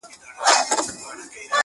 کنسرټونه په وکړل